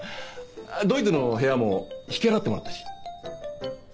ドイツの部屋も引き払ってもらったし。